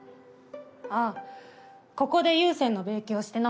ああここで湯専の勉強してな。